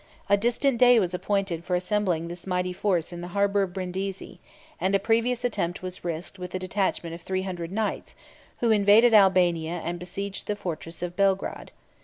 A distant day was appointed for assembling this mighty force in the harbor of Brindisi; and a previous attempt was risked with a detachment of three hundred knights, who invaded Albania, and besieged the fortress of Belgrade.